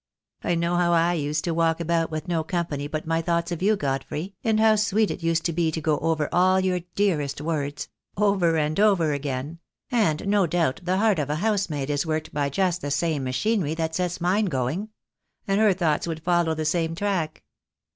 I know how / used to walk about with no company but my thoughts of you, Godfrey, and how sweet it used to be to go over all your dearest words — over and over again — and no doubt the heart of a housemaid is worked by just the same machinery that sets mine going — and her thoughts would follow the same track."